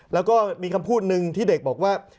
แล้วก็มีคำพูดหนึ่งที่เด็กบอกว่า